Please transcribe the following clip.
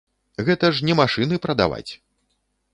Гэта ж не машыны прадаваць!